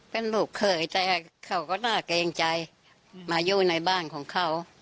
เป็นลูกเขยแต่เขาก็น่าเกรงใจมาอยู่ในบ้านของเขา